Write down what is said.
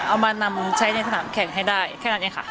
เอามานำใช้ในสนามแข่งให้ได้แค่นั้นเองค่ะ